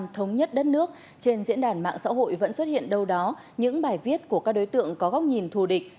thống nhất đất nước trên diễn đàn mạng xã hội vẫn xuất hiện đâu đó những bài viết của các đối tượng có góc nhìn thù địch